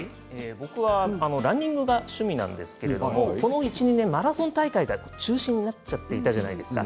僕はランニングが趣味なんですけどこの１年マラソン大会が中止になっちゃってたじゃないですか。